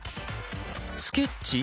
スケッチ？